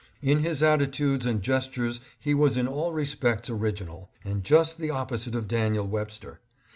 In his attitudes and gestures he was in all respects ori ginal, and just the opposite of Daniel Webster.